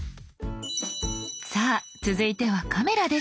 さぁ続いてはカメラです。